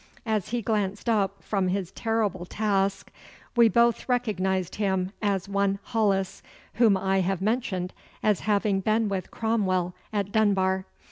As he glanced up from his terrible task we both recognised him as one Hollis, whom I have mentioned as having been with Cromwell at Dunbar.